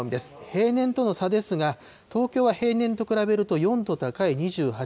平年との差ですが、東京は平年と比べると４度高い２８度。